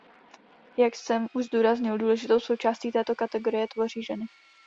Jak jsem už zdůraznil, důležitou součást této kategorie tvoří ženy.